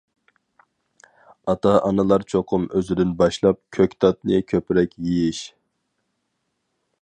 ئاتا-ئانىلار چوقۇم ئۆزىدىن باشلاپ، كۆكتاتنى كۆپرەك يېيىش.